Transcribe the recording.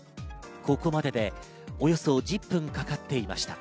ここまでで、およそ１０分かかっていました。